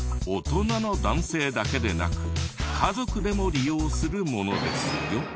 大人の男性だけでなく家族でも利用するものですよ。